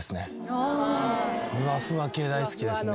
ふわふわ系大好きですね。